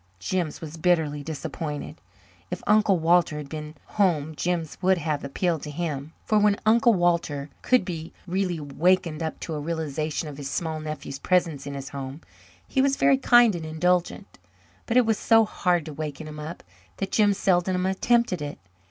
Jims was bitterly disappointed. If Uncle Walter had been home Jims would have appealed to him for when Uncle Walter could be really wakened up to a realization of his small nephew's presence in his home, he was very kind and indulgent. But it was so hard to waken him up that Jims seldom attempted it.